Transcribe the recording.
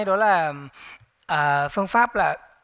đó là phương pháp là